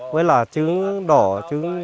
với là trứng đỏ trứng đen trứng xanh